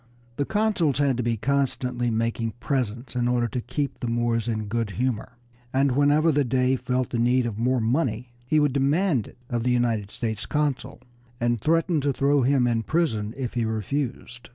The consuls had to be constantly making presents in order to keep the Moors in a good humor, and whenever the Dey felt the need of more money he would demand it of the United States consul, and threaten to throw him in prison if he refused.